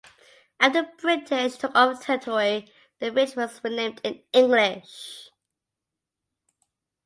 After the British took over the territory, the village was renamed in English.